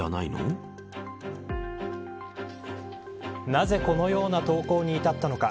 なぜこのような投稿に至ったのか。